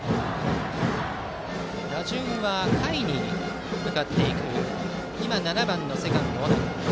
打順は下位に向かっていく今は７番のセカンド、尾中。